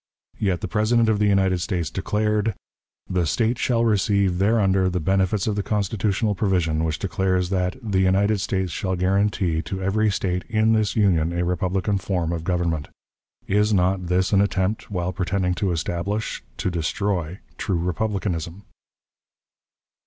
Yet the President of the United States declared, "The State shall receive thereunder the benefits of the constitutional provision which declares that 'the United States shall guarantee to every State in this Union a republican form of government.'" Is not this an attempt, while pretending to establish, to destroy true republicanism?